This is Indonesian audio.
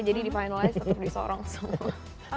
jadi di finalize atau di sorong semua